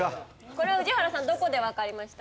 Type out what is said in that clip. これは宇治原さんどこでわかりました？